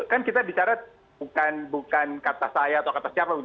kan kita bicara bukan kata saya atau kata siapa